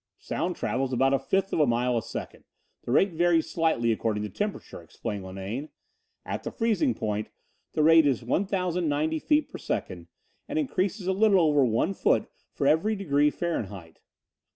"Sound travels about a fifth of a mile a second. The rate varies slightly according to temperature," explained Linane. "At the freezing point the rate is 1,090 feet per second and increases a little over one foot for every degree Fahrenheit."